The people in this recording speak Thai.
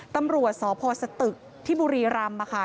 ตำรวจสพสตึกที่บุรีรำค่ะ